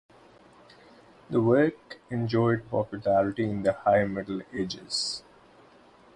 The work enjoyed popularity in the High Middle Ages.